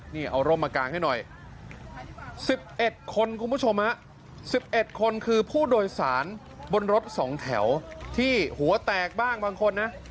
นี่เอาร่มมากางให้หน่อย๑๑คนคุณผู้ชม๑๑คนคือผู้โดยสารบนรถ๒แถวที่หัวแตกบ้างบางคนนะ